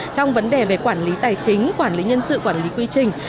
trong vấn đề về quản lý tài chính quản lý nhân sự quản lý quy trình